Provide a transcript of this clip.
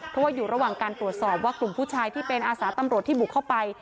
เพราะว่าอยู่ระหว่างการตรวจสอบว่ากลุ่มผู้ชายที่เป็นอาสาตำรวจที่บุกเข้าไป